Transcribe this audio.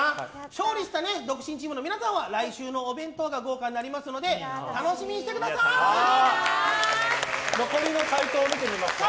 勝利した独身チームの皆さんは来週のお弁当が豪華になりますので残りの回答を見てみましょう。